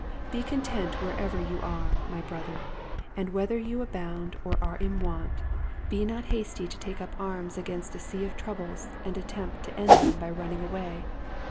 Be content wherever you are, my brother, and whether you abound or are in want be not hasty to take up arm§ Discontent. 141 against a sea of troubles and attempt to end them by running away.